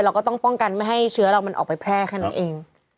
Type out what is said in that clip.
เราก็ต้องป้องกันไม่ให้เชื้อเรามันออกไปแพร่แค่นั้นเอง